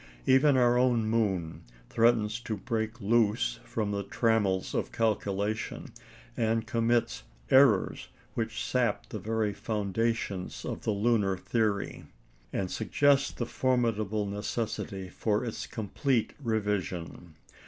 Even our own moon threatens to break loose from the trammels of calculation, and commits "errors" which sap the very foundations of the lunar theory, and suggest the formidable necessity for its complete revision.